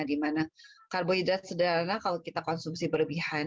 di mana karbohidrat sederhana kalau kita konsumsi berlebihan